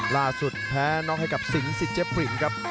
ล่าสุดแพ้นอกให้กับสิงศ์สิเจฟรินครับ